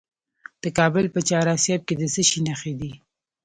د کابل په چهار اسیاب کې د څه شي نښې دي؟